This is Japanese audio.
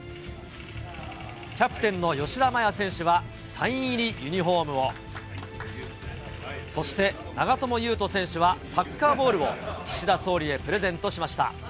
キャプテンの吉田麻也選手は、サイン入りユニホームを、そして長友佑都選手はサッカーボールを、岸田総理へプレゼントしました。